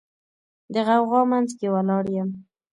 د غوغا منځ کې ولاړ یم